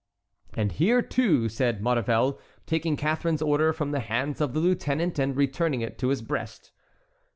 "And here too," said Maurevel, taking Catharine's order from the hands of the lieutenant and returning it to his breast.